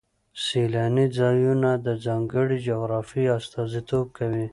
سیلاني ځایونه د ځانګړې جغرافیې استازیتوب کوي.